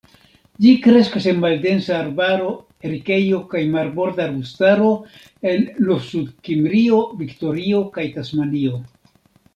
Ĝi kreskas en maldensa arbaro, erikejo kaj marborda arbustaro en Novsudkimrio, Viktorio, kaj Tasmanio.